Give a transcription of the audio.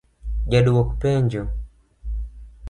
Ja dwok penjo: